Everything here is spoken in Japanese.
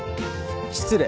失礼。